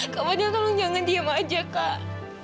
kak fadil tolong jangan diem aja kak